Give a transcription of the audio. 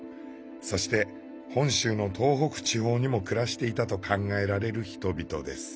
そして本州の東北地方にも暮らしていたと考えられる人々です。